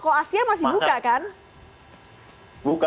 kalau asia masih buka kan